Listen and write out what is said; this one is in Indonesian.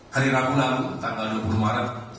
hari rabu lalu tanggal dua puluh maret